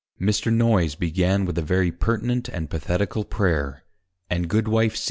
Mr. Noyes began with a very pertinent and pathetical Prayer; and Goodwife _C.